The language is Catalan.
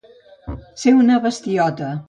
Ser una bestiota.